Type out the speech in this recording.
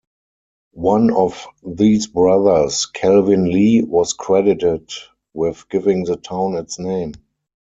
One of these brothers, Calvin Lee, was credited with giving the town its name.